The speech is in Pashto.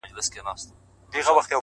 • په دې عواملو کي یو هم نه وي ,